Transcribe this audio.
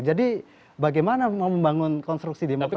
jadi bagaimana mau membangun konstruksi demokrasi